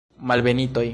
Malbenitoj!